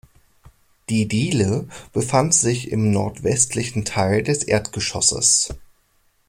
Die Diele befand sich im nordwestlichen Teil des Erdgeschosses.